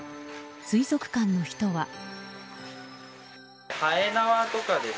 水族館の人は。